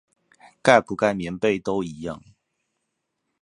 蓋不蓋棉被都一樣